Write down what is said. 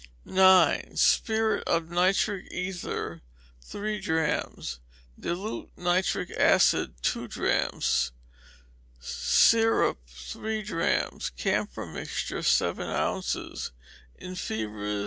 9. Spirit of nitric ether, three drachms; dilute nitric acid, two drachms; syrup, three drachms; camphor mixture, seven ounces; in fevers, &c.